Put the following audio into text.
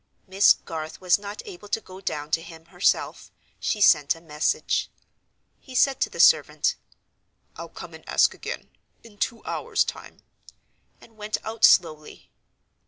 Miss Garth was not able to go down to him herself: she sent a message. He said to the servant, "I'll come and ask again, in two hours' time"—and went out slowly.